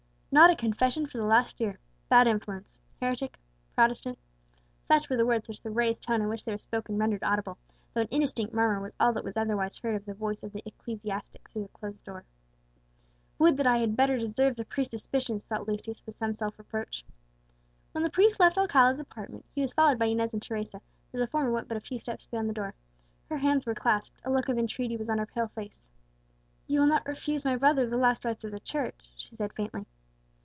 "Not at confession for the last year, bad influence heretic Protestant," such were the words which the raised tone in which they were spoken rendered audible, though an indistinct murmur was all that was otherwise heard of the voice of the ecclesiastic through the closed door. "Would that I had better deserved the priest's suspicions!" thought Lucius, with some self reproach. When the priest left Alcala's apartment he was followed by Inez and Teresa, though the former went but a few steps beyond the door. Her hands were clasped; a look of entreaty was on her pale face. "You will not refuse my brother the last rites of the Church?" she said faintly.